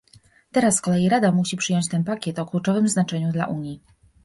Teraz z kolei Rada musi przyjąć ten pakiet o kluczowym znaczeniu dla Unii